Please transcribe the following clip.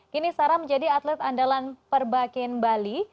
kini sarah menjadi atlet andalan perbakin bali